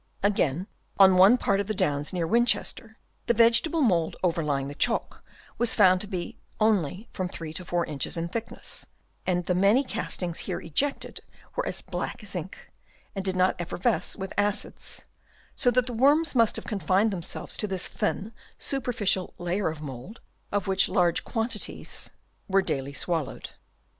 Again on one part of the Downs near Winchester the vegetable mould overlying the chalk was found to be only from 3 to 4 inches in thickness ; and the many castings here ejected were as black as ink and did not effervesce with acids ; so that the worms must have confined themselves to this thin superficial layer of mould, of which large quantities were daily swallowed.